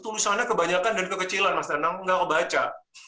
tulisannya kebanyakan dan kekecilan mas danang nggak ngebaca